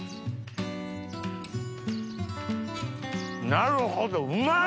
なるほどうまい！